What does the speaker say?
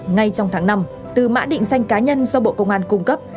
ngay trong tháng năm từ mã định danh cá nhân do bộ công an cung cấp